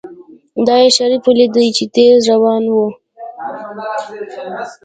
دا يې شريف وليد چې تېز روان و.